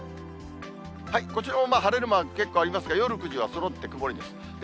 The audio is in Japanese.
こちら晴れるマーク結構ありますが、夜９時は結構です。